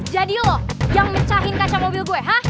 jadi lo yang mencahin kaca mobil gue ha